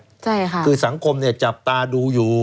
ใช่ค่ะคือสังคมเนี่ยจับตาดูอยู่